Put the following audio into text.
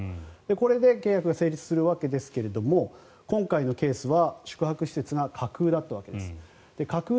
これで契約が成立するわけですが今回のケースは宿泊施設が架空だったわけです。